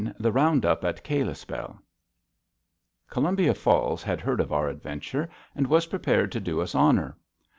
IX THE ROUND UP AT KALISPELL Columbia Falls had heard of our adventure, and was prepared to do us honor.